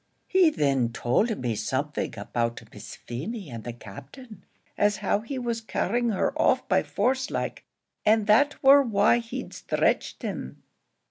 He then told me something about Miss Feemy and the Captain as how he was carrying her off by force like, and that war why he'd stretched him.